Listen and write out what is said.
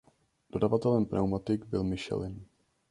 Dodavatelem pneumatik byl Michelin.